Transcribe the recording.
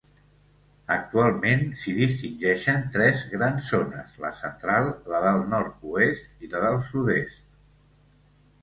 Actualment, s'hi distingeixen tres grans zones: la central, la del nord-oest i la del sud-est.